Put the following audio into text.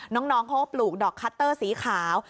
น้องเขาก็ปลูกดอกคัตเตอร์สีขาว